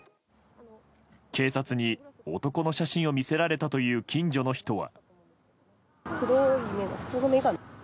警察に男の写真を見せられたという近所の人は。